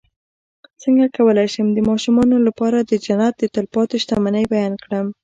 څنګه کولی شم د ماشومانو لپاره د جنت د تل پاتې شتمنۍ بیان کړم